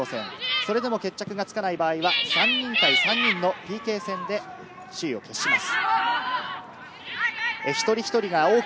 それでも決着がつかない場合は３人対３人のＰＫ戦で雌雄を決します。